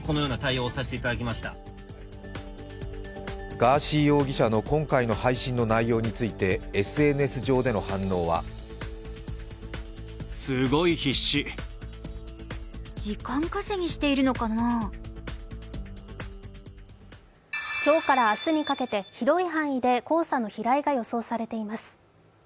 ガーシー容疑者の今回の配信の内容についてＳＮＳ上での反応は今日から明日にかけて広い範囲で黄砂の飛来が予想されています。